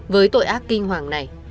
với tội ác kinh hoàng này